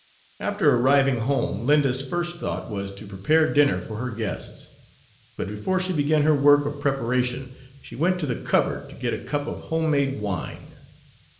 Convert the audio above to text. After arriving home Linda's first thought was to prepare dinner for her guests. But, before she began her work of preparation, she went to the cupboard to get a cup of home made wine.